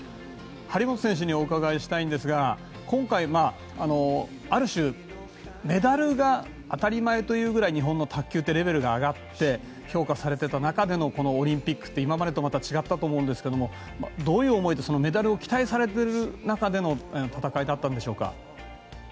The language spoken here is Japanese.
張本選手にお伺いしたいんですが今回、ある種メダルが当たり前というぐらい日本の卓球ってレベルが上がって評価されていた中でのこのオリンピックって今までと違ったと思うんですがどういう思いでメダルを期待されている中での戦いだったんでしょうか？